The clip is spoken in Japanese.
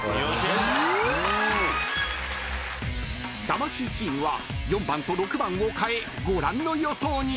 ［魂チームは４番と６番を替えご覧の予想に］